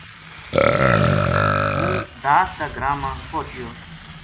ہوں داس کا گراں ما پوہچیو